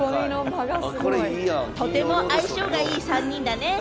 とても相性がいい３人だね。